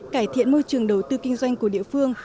cải thiện môi trường đầu tư kinh doanh của địa phương